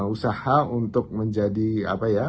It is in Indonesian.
usaha untuk menjadi apa ya